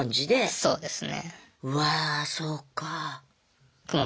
そうですね。